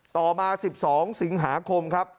ต่อมา๑๒สิงหาคมครับ